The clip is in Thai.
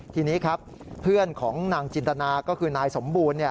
ทีนี้ครับเพื่อนของนางจินตนาก็คือนายสมบูรณ์